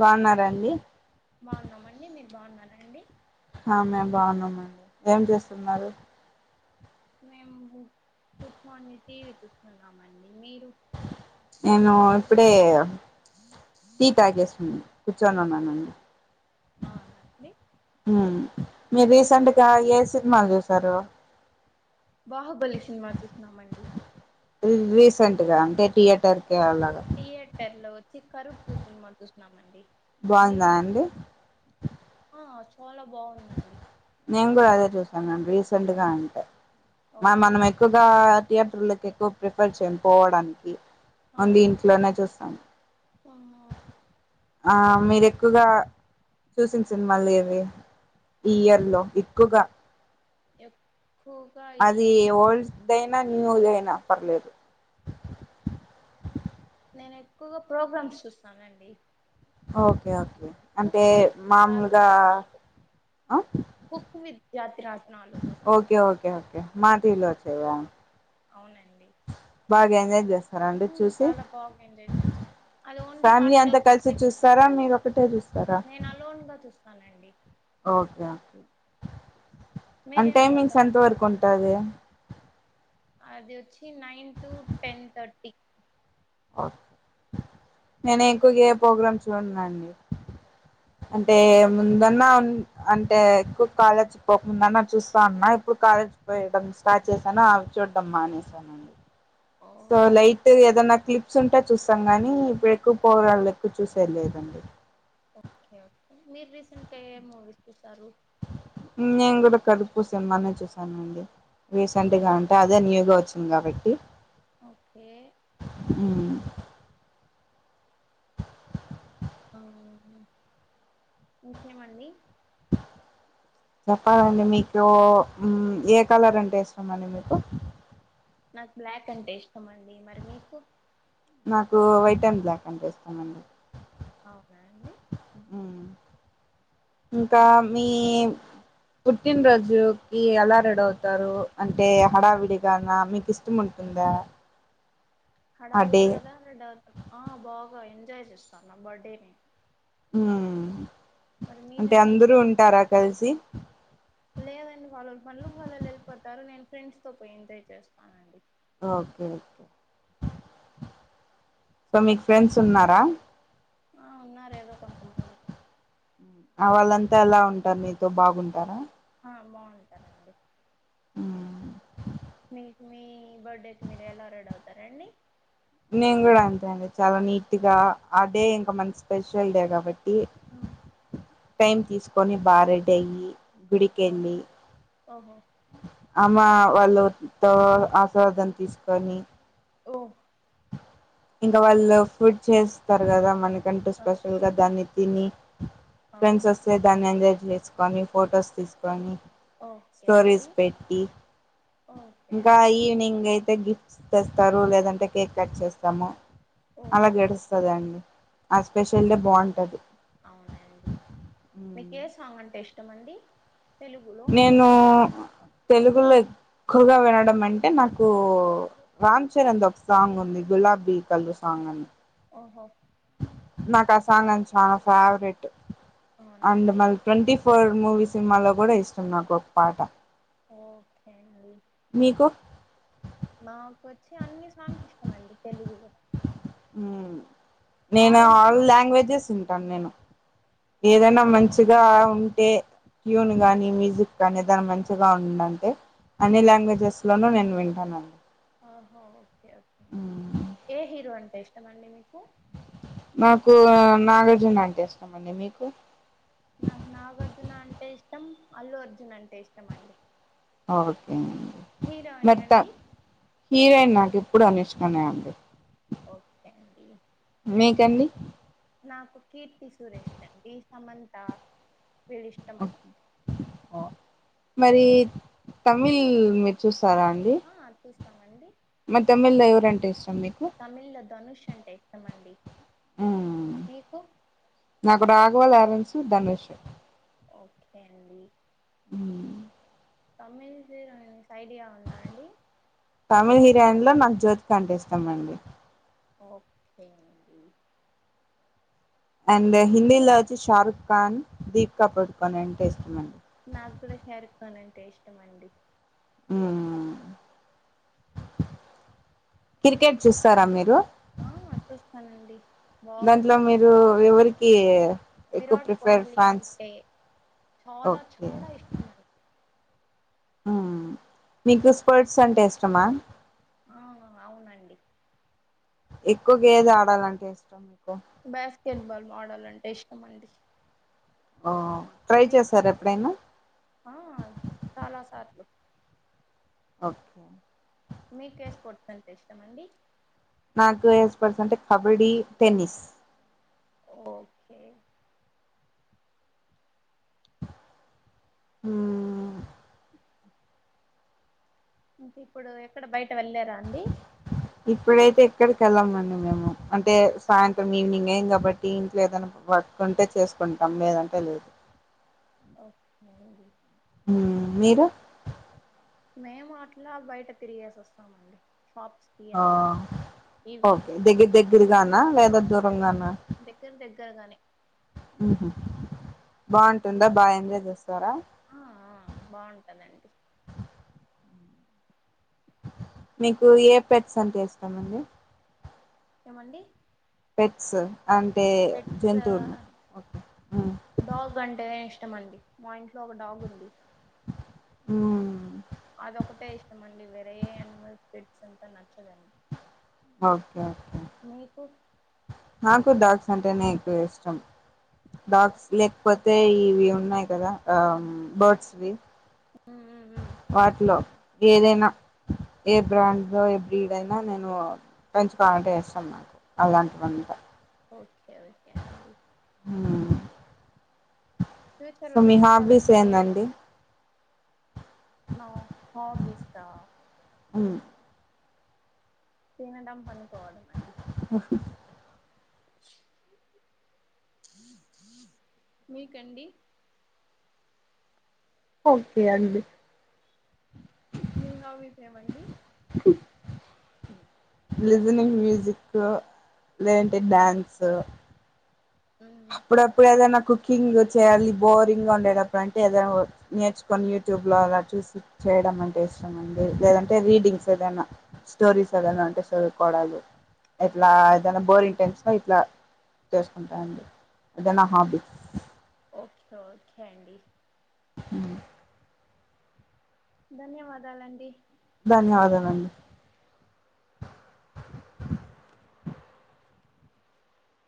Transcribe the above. బాగున్నరా అండి బాగున్నామండి మీరు బాగున్నారా అండి హ మేం బాగున్నామండి ఏం చేస్తున్నారు మేము కూర్చొని టీవి చూస్తున్నామండి మీరు నేను ఇప్పుడే టీ తాగేస్తు కూర్చోనున్నానండి అవునా అండి ఉమ్ మీ మేము రీసెంట్గా ఏస్ సిన్మాల్ చూసారు బాహుబలి సినిమా చూస్న్నామండి రీసెంట్ గా అంటే థియేటర్ కి అలాగా థియేటర్ లో వచ్చి కరుప్పు సినిమా చూసినమండి బాగుందా అండి మోలా బాగుందండి చూసా రీసెంట్గా అంటే మ ఓహో మనం ఎక్కువగా థియేటర్కి ఎక్కువ ప్రిఫర్ చేయను పోవ్డానికి అన్నీ అవును ఇంట్లోనే చూస్తాను అవును ఆ మీరు ఎక్కువగా చూసిన సినిమాలు ఎవి ఈ ఇయర్లో ఎక్కువగా ఎక్కువగా ఈ అది ఓల్డ్న్ న్యూదైనా పర్లేదు నేను ఎక్కువగా ప్రోగ్రామ్స్ చూస్తానండి ఓకే ఓకే అంటే కుక్ విత్ జాతి మామొల్గా రత్నాలు ఆ యాత్ర ఓకే ఓకే ఓకే మాటివిలోచ్చవా్యా అవునండి హ్మ్ అందర్చూసి చాలా బాగా ఎంజాయ్ చేసాం అది ఓన్లీ ఫ్యామిలీ సాటర్డే అంతా కలిసి సండే చూస్తారా మీరు ఒకటే చ నేను అలోన్గా చూస్తానండి ఓకే ఓకే అం మీరేం టైమింగ్స్ ప్రోగ్రామ్ ఎంత వరకు చూస్తారు ఉంటది అది వచ్చి నైన్ టు టెన్ తర్టీ ఓ నేను ఎక్కుగే ప్రోగ్రాం చూడ్నండి అంటే మీ ముందన్నా అంటే ఎక్కువ కాలచ్ పోకముందన్న చూస్తా అన్నా ఇప్పుడు కాలేజ్ పోయడం స్టార్ట్ చేశాను అవి చూడడం మానేసానండి ఓ సో లైట్గ ఏదైనా క్లిప్స్ ఉంటే చూస్తాం గానీ ఇప్పుడు ఎక్కువ పోగ్రాలు ఎక్కువ చూసే లేదండి ఓకే ఓకే మీరు రీసెంట్గా ఏ మూవీస్ చూసారు నేను కూడా కార్రుపు సిన్మానే చూసానండి రీసెంట్గా ఉంటే అదే న్యూగా వచ్చింది కాబట్టి ఓకే అ ఆ హ ఇంకేమండి చెప్పాలండి మీకు ఏ కలర్ అంటే ఇష్టామండి మీకు నాకు బ్లాక్ అంటే ఇష్టం అండి మరి మీకు నాకు వైట్ అండ్ బ్లాక్ అంటే ఇష్టంమండి అవునా అండి ఇంకా మీ పుట్టిన్రోజుకి ఎలా రెడీ అవుతారు అంటే హడావిడిగానా మీకు ఇష్టం ఉం ఉందా హడావిడిగా డా ఆ బాగా ఎంజాయ్ చేస్తాను నా బర్త్డేని ఉ మరి అంటే మీరండి అందరూ ఉంటారా కల్సి లేదండి వాళ్ళ పన్లు వాళ్ళళ వెళ్ళిపోతారు నేను ఫ్రెండ్స్తో పో ఎంజాయ్ చేస్తానండి ఓకే ఓకే సో మీకు ఫ్రెండ్స్ ఉన్నారా ఆ ఉన్నారు ఏదో కొంతమంది ఆ వాళ్ళంతా ఎలా ఉంటారు నితో బాగుంటారా ఆ బొంటారండి ఉ మీకు మీ బర్డేకి మీరు ఎలా రెడ అవుతారండీ నేను కూడా అంతే అండి చాలా నీట్గా ఆ డే ఇంకా మన్కి స్పెషల్డే కాబట్టి ఆ టైమ్ తీసుకొని బా రెడి అయ్యి గుడికెళ్ళి ఓహో అమ్మ వాళ్ళు త ఆస్వాదం తీసుకొని ఓ ఇంకా వాళ్ళు ఫుడ్ చేస్తారు కదా మనకి దాన్ని స్పెషల్ ఓకే గా దాన్ని తిని ఫ్రెండ్స్ ఓకే వస్తే దాన్ని ఎంజాయ్ లేచుకొని ఫొటోస్ తీసుకొని ఓకే అండి స్టోరీస్ పెట్టి ఓకే ఇంకా అండి ఈవినింగ్ అయితే గిఫ్ట్స్ తెస్తారు, లేదంటే కేక్ కట్ చేస్తాము. అలా ఓహో గడుస్తుద అండి ఆ స్పెషల్ డే బావుంటది. అవునాండి మీకు ఏ సాంగ్ అంటే ఇష్టమండి? నేను తెలుగులో ఎక్కువగా వినడం అంటే నాకు రామ్ చరణ్ ది ఒక సాంగ్ ఉంది గులా ఆ బికలు సాంగ్ అని ఓహో నాకు ఆ సాంగ్ చాలా ఫేవరెట్ అవునా అండ్ అండి మ ట్వంటీ ఫోర్ మూవీ సినిమాలో కూడా ఇష్టం నాకు ఒక పాట ఓకే అది మీకు మాకు వచ్చి అన్ని సాంగ్స్ ఇష్టమండి తెలుగులో మ్ నేను ఆరెంజ్ ఆల్ లాంగ్వేజెస్ వింటాను నేను ఏదైనా ఓహో మంచిగా ఉం టే ట్యూన్ గానీ, మ్యూజిక్ కానీ దాని మంచిగా ఉంద అంటే అన్ని ఆ లాంగ్వేజెస్ లోనూ నేను వింటానండి. ఆహో ఓకే ఓకే అండి ఏ హీరో అంటే ఇష్టమండి మీకు? నాకు నాగార్జున అంటే ఇష్టం అండి మీకు? నాకు నాగార్జున అంటే ఇష్టం. అల్లు అర్జున్ అంటే ఇష్టం అండి. ఓకేండి హీరోని మరి త అండి హీరోయిన్ నాకు ఎప్పుడు అనుష్కనే అండి. ఓకే అండి మీకండి? నాకు కీర్తి సురేష్ అండి సమంత వీళ్ళు ఇష్టమ మరి తమిళ్ మీరు చూస్తారా అండి? ఆ, చూస్తామండి మ తమిళ లో ఎవరంటే ఇష్టం మీకు? తమిళ్లో ధనుష్ అంటే ఇష్టమండి మీకు? నాకు రాఘవ లారెన్స్, ధనుష్ ఓకే అండి తమిల్ హీరోయిన్స్ ఐడియా ఉందా అండి? తమిళ్ హీరోయిన్ లో నాకు జ్యోతిక అంటే ఇష్టమండి. ఓకే అండి అండ్ హిందీలో వచ్చి షారుక్ ఖాన్, దీప్కాపదుకొని అంటే ఇష్టమండి. నాకు కూడా షారుక్ ఖాన్ అంటే ఇష్టమండి. ఉ క్రికెట్ చూస్తారా మీరు? ఆ చూస్తానండి బాగా దాంట్లో చూస్తాను మీరు ఎవరికి ఎక్కువ విరాట్ ప్రిఫర్ కోహ్లీ ఫ్యాన్స్ అంటే చాలా ఓకే చాలా ఇష్టమండి. ఆ మీకు స్పోర్ట్స్ అంటే ఇష్టమా? అవును అవునండి. ఎక్కువ ఏది ఆడాలంటే ఇష్టం? మీకు బాస్కెట్బాల్ ఆడాలంటే ఇష్టమండి ఆ మీకూ అండి ఆ చాలాసార్లు ఓకే మీకే స్పోర్ట్స్ అంటే ఇష్టమండి నాకు ఎ స్పోర్ట్స్ అంటే కబడ్డీ టెన్నిస్ ఓకే ఊ ఇంకా ఇప్పుడు ఎక్కడ బయట వెళ్లేరండి ఏక్కడికి వెళ్ళాంమండి మేము అంటే సాయంత్రం ఈవినింగ్గే కాబట్టి ఇంట్లో ఏదన్న వర్క్ంటే చేసు కుంటాం లేదంటే లేదు ఓకే అండి మ్మ్ మీరూ మేము అట్లా బయట తిరిగేసి వస్తామండి షాప్స్ కి ఆ అట్లా ఓకే ఈవినింగ్స్ దెగిరిదెగిరిగానా లేేదా దూరంగానా గర్రాగానే ఉహు బొంటుందా బా ఆ ఎంజాయ్ చేస్తారా ఆ బాగుంటదండి మీకు ఏ పెట్స్ అంటే ఇష్టమండి ఏమండి పెట్స్ అంటే పెట్స్ జంతువులు ఓకే ఉ ఇష్టమండి మా ఇంట్లో ఒక డాగ్ ఉంది ఊ అదొకటే ఇష్టమండి వేరేే అనిమల్ పెట్స్ అంతా నచ్చదండి ఓకే మీకు నాకు డాగ్స్ అంటేనే ఎక్కువ ఇష్టం ఓ డాగ్స్ లేకపోత్ తే ఇవి ఉన్నాయి కదా ఆ బర్డస్వి ఉమ్ ఉమ్ ఉమ్ వాట్లో ఏదైనా ఏ బ్రాండ్లో ఏ బ్రీడ్ అయినా నేను పెంచుకోవాలంటే ఇష్టం నాకు అలాంటివంటే ఓకే ఓకే అండి ఉ ఫ్యూచర్ సో మీ హాబీస్ ఏందండి నా హాబీస్సా ఉ తినడం పనుకోవడం అండి మీకండి ఓకే అండి మీ హాబీస్సేమండి హ లిజనింగ్ మ్యూజిక్ లేదంటే డాన్స్ ఉమ్ అప్పుడప్పుడు ఏదన్నా కుకింగ్ చేయాలి బోరింగ్ గా ఉండేటప్పుడు అంటే ఏదైనా వర్క్ నేర్చుకొని యూట్యూబ్లో అలా చూసి చేయడం అంటే ఇష్టం అండి లేదంటే రీడింగ్స్ ఏదైనా ఓ స్టోరీస్ ఏదైనా అంటే స్టోరీ కోడలు ఎట్లా ఓహో ఏదనా బోరింగ్ టెన్స్ ఇట్లా ఓ చేసుకుంటాండి అదే నా ఓ హాబీ ఓకే ఓకే అండి హ ధన్యవాదాలండి ధన్యవాదలండి